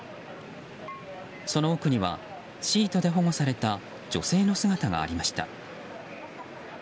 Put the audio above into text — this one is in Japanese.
その奥には、シートで保護された女性の姿がありました。